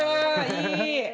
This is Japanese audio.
いい。